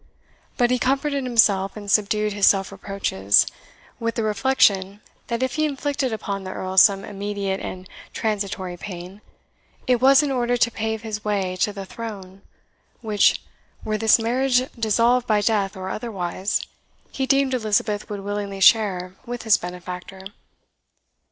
But he comforted himself, and subdued his self reproaches, with the reflection that if he inflicted upon the Earl some immediate and transitory pain, it was in order to pave his way to the throne, which, were this marriage dissolved by death or otherwise, he deemed Elizabeth would willingly share with his benefactor.